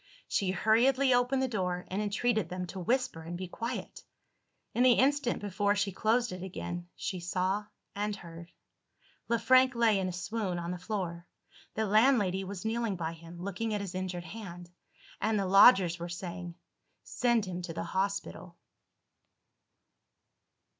She hurriedly opened the door, and entreated them to whisper and be quiet. In the instant before she closed it again, she saw and heard. Le Frank lay in a swoon on the floor. The landlady was kneeling by him, looking at his injured hand; and the lodgers were saying, "Send him to the hospital."